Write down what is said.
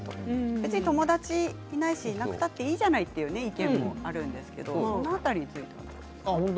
別に友達いないしいなくていいじゃないという意見もあるんですけどその辺りについては？